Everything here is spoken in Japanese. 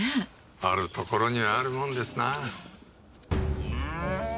あるところにはあるものですな。